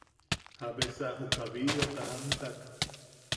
¿Jabesa juka biriota jaamtak?